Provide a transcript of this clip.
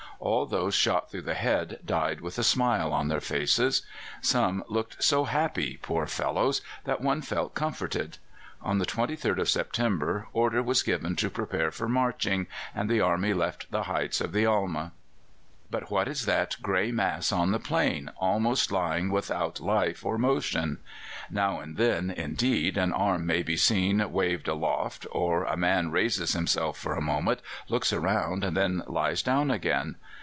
All those shot through the head died with a smile on their faces. "Some looked so happy, poor fellows! that one felt comforted." On the 23rd of September order was given to prepare for marching, and the army left the heights of the Alma. But what is that grey mass on the plain, almost lying without life or motion? Now and then, indeed, an arm may be seen waved aloft, or a man raises himself for a moment, looks around, and then lies down again.